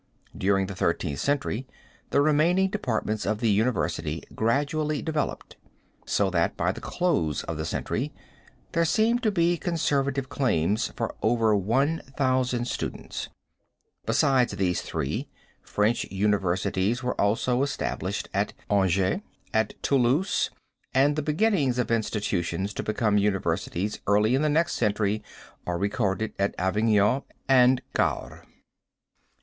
During the Thirteenth Century the remaining departments of the university gradually developed, so that by the close of the century, there seem to be conservative claims for over one thousand students. Besides these three, French universities were also established at Angers, at Toulouse, and the beginnings of institutions to become universities early in the next century are recorded at Avignon and Cahors.